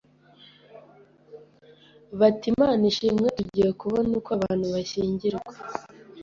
bati Imana ishimwe tugiye kubona uko abantu bashyingirwa.